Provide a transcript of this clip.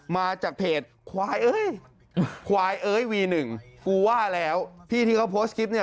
มาจากเพจควายเอ้ยควายเอ้ยวีหนึ่งกูว่าแล้วพี่ที่เขาโพสต์คลิปเนี่ย